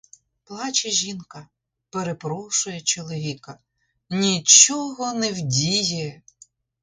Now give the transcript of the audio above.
Плаче жінка, перепрошує чоловіка, нічого не вдіє!